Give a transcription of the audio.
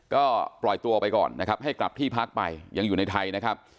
ก็ปล่อยตัวไปก่อนนะครับให้กลับที่พักไปยังอยู่ในไทยนะครับ